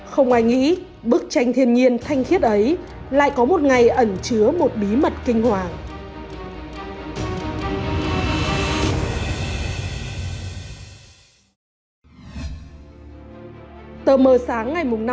không ai nghĩ bức tranh thiên nhiên thanh khiết ấy lại có một ngày ẩn chứa một bí mật kinh hoàng